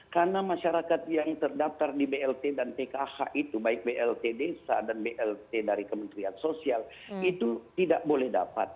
karena masyarakat yang terdaftar di blt dan tkh itu baik blt desa dan blt dari kementerian sosial itu tidak boleh dapat